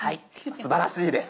すばらしいです。